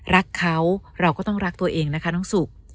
รักเขาเราก็ต้องรักตัวเองนะคะน้องสุก